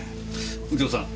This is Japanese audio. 右京さん。